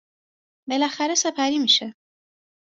بلاخره سپری میشه